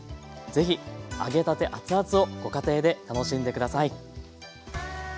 是非揚げたて熱々をご家庭で楽しんで下さい。